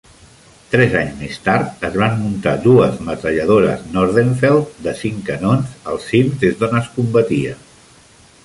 Tres anys més tard es van muntar dues metralladores Nordenfeldt de cinc canons als cims des don es combatia.